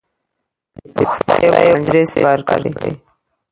د پښتیو پنجرې سپر کړې.